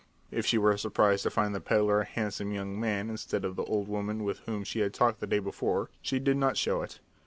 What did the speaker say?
If she were surprised to find the peddler a handsome young man instead of the old woman with whom she had talked the day before she did not show it.